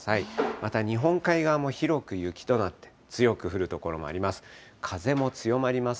また日本海側も広く雪となって、強く降る所もあります。